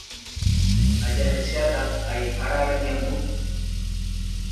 ha jahecháta haihára remiandu.